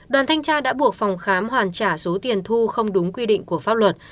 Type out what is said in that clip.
đoàn thanh tra đã buộc phòng khám hoàn trả số tiền thu không đúng quy định của pháp luật